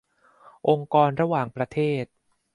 องค์กรระหว่างประเทศ